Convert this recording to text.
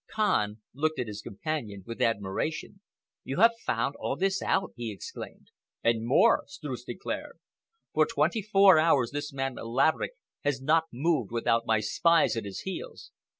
Kahn looked at his companion with admiration. "You have found all this out!" he exclaimed. "And more," Streuss declared. "For twenty four hours, this man Laverick has not moved without my spies at his heels."